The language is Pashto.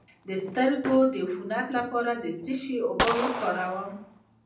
د سترګو د عفونت لپاره د څه شي اوبه وکاروم؟